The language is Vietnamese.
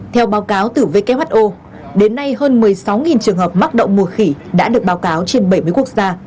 theo báo cáo từ vkho đến nay hơn một mươi sáu trường hợp mắc động mùa khỉ đã được báo cáo trên bảy quốc gia